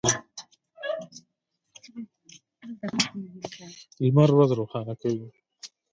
لمر ورځ روښانه کوي.